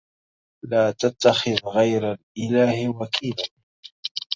لاتتخذ غير الإله وكيلا